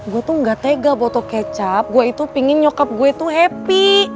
gue tuh gak tega botol kecap gue itu pingin nyokap gue tuh happy